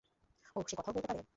ওহ, সে কথাও বলতে পারে?